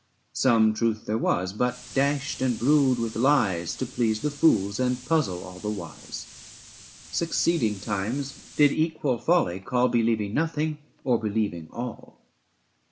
Some truth there was, but dashed and brewed with lies To please the fools and puzzle all the wise : 115 Succeeding times did equal folly call Believing nothing or believing all.